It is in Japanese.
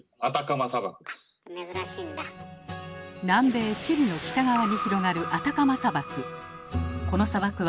南米チリの北側に広がるアタカマ砂漠。